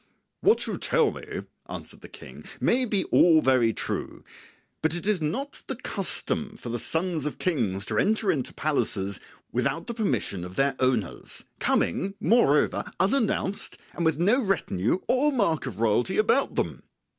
"What you tell me," answered the King, "may be all very true; but it is not the custom for the sons of kings to enter into palaces without the permission of their owners, coming, moreover, unannounced and with no retinue or mark of royalty about them.